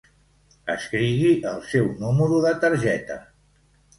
Escrigui el seu número de targeta.